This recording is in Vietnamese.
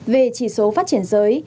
về chỉ số phát triển giới